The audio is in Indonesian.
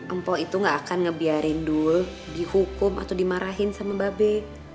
empok itu gak akan ngebiarin dul dihukum atau dimarahin sama mbak be